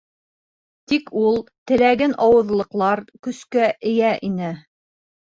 Тик ул теләген ауыҙлыҡлар көскә эйә ине.